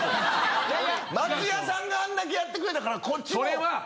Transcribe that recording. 松也さんがあんだけやってくれたからこっちも。